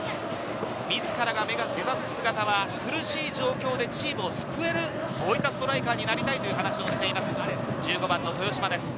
自らが目指す姿は、苦しい状況でチームを救える、そういったストライカーになりたいという話をしてました、１５番の豊嶋です。